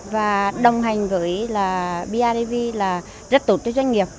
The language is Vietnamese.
và đồng hành với bidv là rất tốt cho doanh nghiệp